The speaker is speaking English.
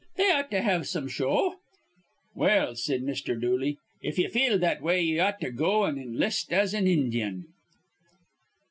They ought to have some show." "Well," said Mr. Dooley, "if ye feel that way, ye ought to go an' inlist as an Indyun."